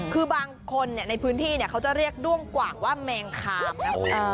คือบางคนในพื้นที่เขาจะเรียกด้วงกว่างว่าแมงคามนะคุณ